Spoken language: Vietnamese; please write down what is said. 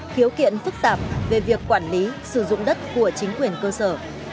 khiếu kiện phức tạp về việc quản lý sử dụng đất của chính quyền cơ sở